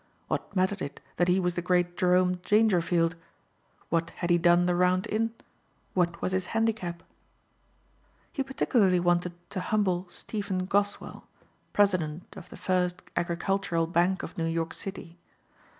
What mattered it that he was the great Jerome Dangerfield. What had he done the round in? What was his handicap? He particularly wanted to humble Stephen Goswell, president of the First Agricultural Bank of New York City.